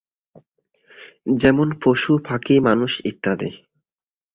যেমন পশু, পাখি, মানুষ ইত্যাদি।